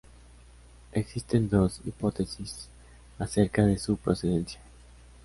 Existen dos hipótesis acerca de su procedencia.